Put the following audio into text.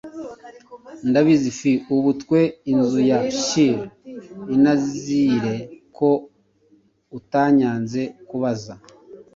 Ndabizi fi ubu twe inzu ya chill innaNizere ko utanyanze kubaza